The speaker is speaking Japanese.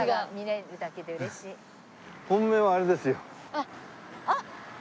あっああ！